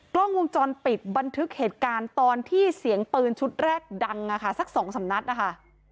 กล้องวงจรปิดบันทึกเหตุการณ์ตอนที่เสียงปืนชุดแรกดังอะค่ะสักสองสามนัดนะคะ